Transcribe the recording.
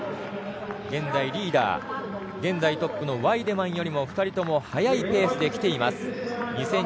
現在リーダー現在トップのワイデマンよりも２人とも早いペースできています。